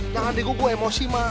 jangan dikukuh emosi mak